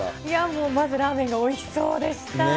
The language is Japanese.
もう、まずラーメンがおいしそうでした。